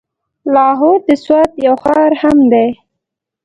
لاهور د سوات يو ښار هم دی.